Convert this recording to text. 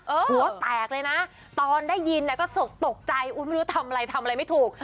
หัวแตกเลยนะตอนได้ยินก็สกตกใจไม่รู้ทำอะไรทำอะไรไม่ถูก